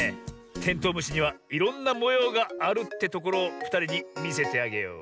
テントウムシにはいろんなもようがあるってところをふたりにみせてあげよう。